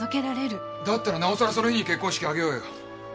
だったらなおさらその日に結婚式を挙げようよ！